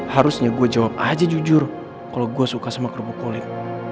harusnya gue jawab aja jujur kalau gue suka sama kerupuk kulit